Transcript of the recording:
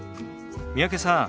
三宅さん